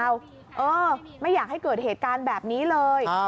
เออไม่อยากให้เกิดเหตุการณ์แบบนี้เลย